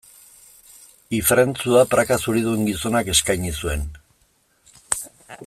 Ifrentzua praka zuridun gizonak eskaini zuen.